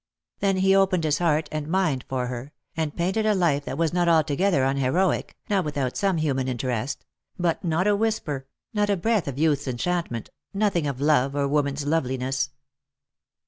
Then he opened his heart and mind for her, and painted a life that was not alto gether unheroic, not without some human interest; but not a whisper, not a breath of youth's enchantment, nothing of love or woman's loveliness.